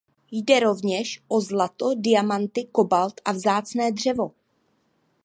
Jde rovněž o zlato, diamanty, kobalt a vzácné dřevo.